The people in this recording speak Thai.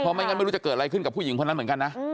เพราะไม่ได้ยังไงหนูจะเกิดอะไรขึ้นกับผู้หญิงพวกนั้นเหมือนกันนะ